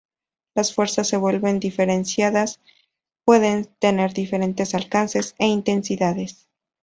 Las fuerzas se vuelven diferenciadas, pueden tener diferentes alcances e intensidades.